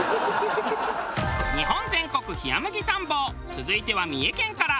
続いては三重県から。